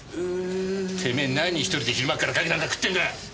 てめえ何１人で昼間っから牡蠣なんか食ってんだよ！